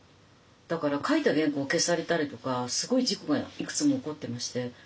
だから書いた原稿を消されたりとかすごい事故がいくつも起こってまして。